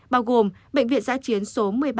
bao gồm bệnh viện giã chiến số một mươi ba